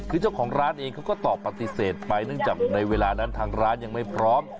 คือเจ้าของร้านเองเขาก็ตอบปฏิเสธไปเนื่องจากในเวลานั้นทางร้านยังไม่พร้อม